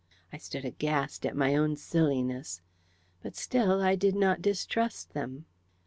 I stood aghast at my own silliness. But still, I did NOT distrust them.